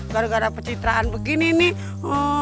gara gara pecitraan begini nih